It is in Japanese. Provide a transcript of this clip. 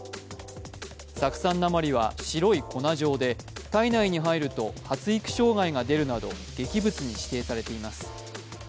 酢酸鉛は白い粉状で体内に入ると発育障害が出るなど劇物に指定されています。